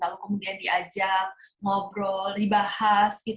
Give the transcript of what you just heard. lalu kemudian diajak ngobrol dibahas